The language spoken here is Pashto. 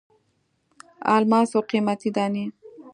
الماسو قیمتي دانې.